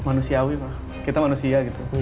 manusiawi pak kita manusia gitu